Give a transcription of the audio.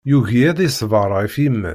Yugi ad iṣber ɣef yemma-s.